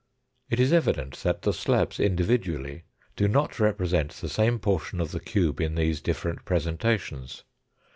It is evident that the slabs individually do not represent the same portion of the cube in these different presenta tions.